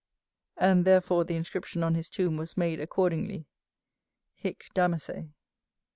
[AG] [AG] And therefore the inscription on his tomb was made accordingly, "Hic Damase."